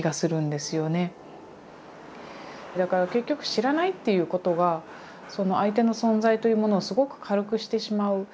だから結局知らないっていうことが相手の存在というものをすごく軽くしてしまう。